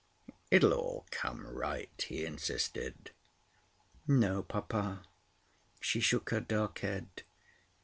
It will all come right," he insisted. "No, papa." She shook her dark head.